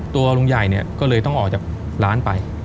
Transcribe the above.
ตัวลุงใหญ่เนี่ยก็เลยต้องออกจากร้านไป